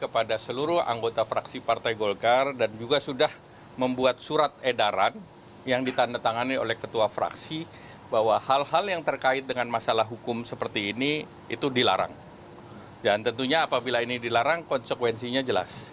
partai golkar menunjukkan kebijakan langsung